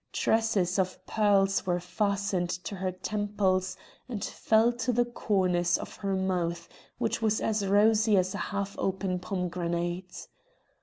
Tresses of pearls were fastened to her temples, and fell to the corners of her mouth, which was as rosy as a half open pomegranate.